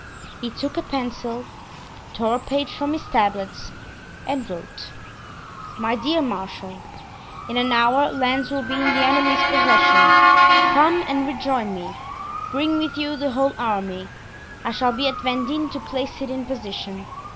He took a pencil, tore a page from his tablets and wrote: "My Dear Marshal,—In an hour Lens will be in the enemy's possession. Come and rejoin me; bring with you the whole army. I shall be at Vendin to place it in position.